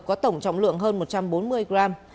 đỗ quang trung có tổng trọng lượng hơn một trăm bốn mươi g